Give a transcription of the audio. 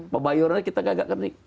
pebayuran kita gagakkan nih